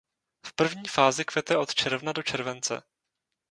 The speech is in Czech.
V první fázi kvete od června do července.